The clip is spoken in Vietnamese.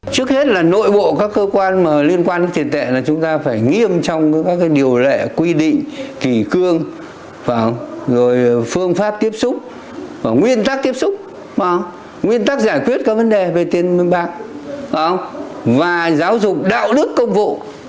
trước hết là nội bộ các cơ quan liên quan đến tiền tệ là chúng ta phải nghiêm trong các điều lệ quy định kỳ cương phương pháp tiếp xúc nguyên tắc tiếp xúc nguyên tắc giải quyết các vấn đề về tiền minh bạc và giáo dục đạo đức công vụ